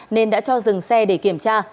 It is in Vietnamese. nên đã cho dừng xe để kiểm tra